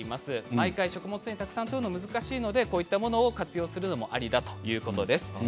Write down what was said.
毎回食物繊維をとるのが難しいのでこういうサプリを活用するのもありだということです。